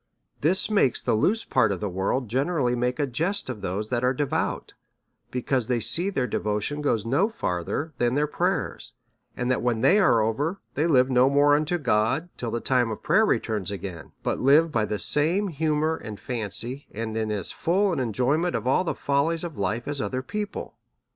This makes the loose part of the world gene rally make a jest of those that are devout, because they see their devotion goes no further than their prayers, and that when they ai'e over, they live no more unto God till the time of prayer returns again, but live by the same humour and fancy, and in as full an enjoy ment of all the follies of life, as other people.